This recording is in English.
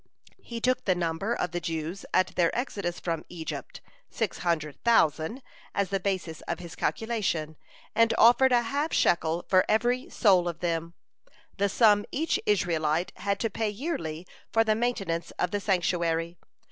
He took the number of the Jews at their exodus from Egypt, six hundred thousand, as the basis of his calculation, and offered a half shekel for every soul of them, the sum each Israelite had to pay yearly for the maintenance of the sanctuary.